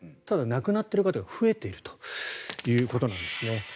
ただ、亡くなっている方が増えているということなんです。